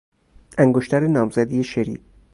انگشتر نامزدی شری